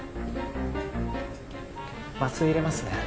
麻酔入れますね